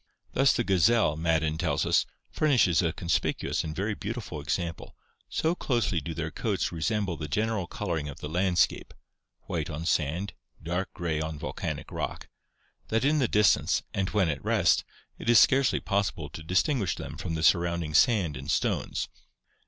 Thus the gazelle, Madden tells us, "furnishes a conspicuous and very beautiful example, so closely do their coats resemble the general coloring of the landscape [white on sand, dark grey on volcanic rock] that in the distance, and when at rest, it is scarcely possible to distinguish them from the surrounding sand and stones."